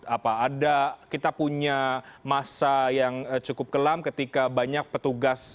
apa ada kita punya masa yang cukup kelam ketika banyak petugas